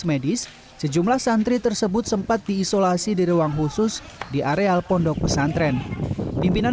medis sejumlah santri tersebut sempat diisolasi di ruang khusus di areal pondok pesantren pimpinan